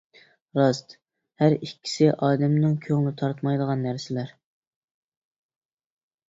راست، ھەر ئىككىسى ئادەمنىڭ كۆڭلى تارتمايدىغان نەرسىلەر.